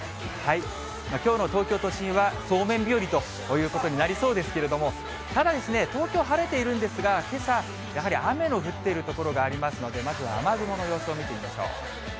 きょうの東京都心は、そうめん日和ということになりそうですけれども、ただですね、東京、晴れているんですが、けさ、やはり雨の降っている所がありますので、まずは雨雲の様子を見てみましょう。